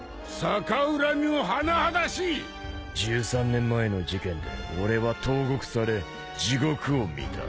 １３年前の事件で俺は投獄され地獄を見た。